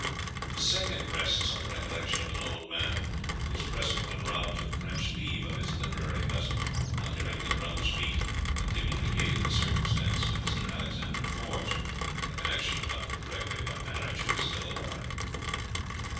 The second rests on the recollection of an old man, who was present when Rob took French leave of his literary cousin on hearing the drums beat, and communicated the circumstance to Mr. Alexander Forbes, a connection of Dr. Gregory by marriage, who is still alive.